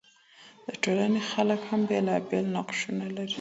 د ټولني خلګ هم بیلابیل نقشونه لري.